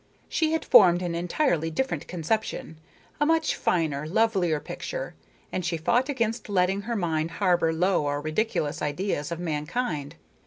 She had formed an entirely different conception a much finer, lovelier picture, and she fought against letting her mind harbor low or ridiculous ideas of mankind.